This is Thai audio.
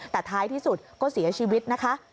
แต่ท้ายที่สุดก็เสียชีวิตนะคะ